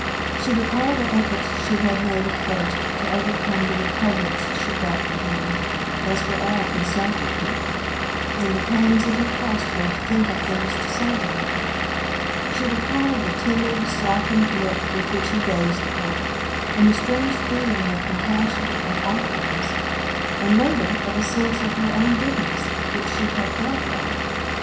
She recalled the efforts she had made at first to overcome the repugnance she felt for him, as for all consumptive people, and the pains it had cost her to think of things to say to him. She recalled the timid, softened look with which he gazed at her, and the strange feeling of compassion and awkwardness, and later of a sense of her own goodness, which she had felt at it.